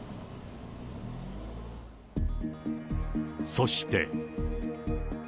そして。